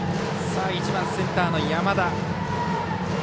１番、センターの山田。